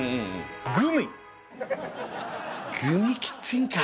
グミキッチンカー？